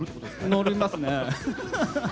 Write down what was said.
載りますね。